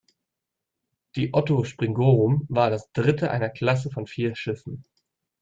Die "Otto Springorum" war das dritte einer Klasse von vier Schiffen.